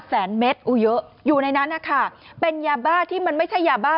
แสนเมตรอู้เยอะอยู่ในนั้นนะคะเป็นยาบ้าที่มันไม่ใช่ยาบ้า